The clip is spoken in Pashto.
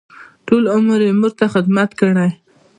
ټول عمر یې مور ته خدمت کړی.